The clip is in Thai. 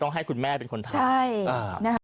ให้คุณแม่เป็นคนทำ